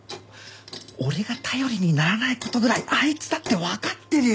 俺が頼りにならない事ぐらいあいつだってわかってるよ。